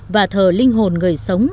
và thờ linh hồn người sống